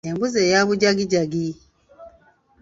Embuzi eya bujagijagi .